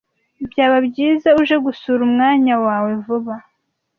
Byaba byiza uje gusura umwanya wawe vuba?